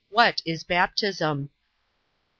What is baptism? A.